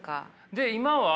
で今は？